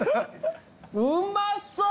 うまそう！